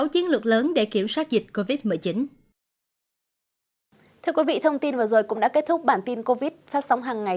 thưa quý vị thông tin vừa rồi cũng đã kết thúc bản tin covid phát sóng hàng ngày